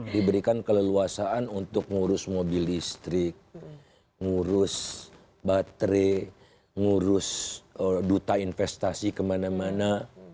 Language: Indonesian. diberikan keleluasaan untuk ngurus mobil listrik ngurus baterai ngurus duta investasi kemana mana